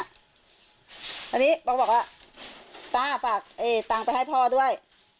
อันนี้บอกว่าต้าฝากตังค์ไปให้พ่อด้วย